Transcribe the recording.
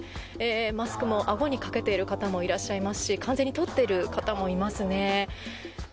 マスクもあごにかけている方もいらっしゃいますし完全に取っている方もいますね。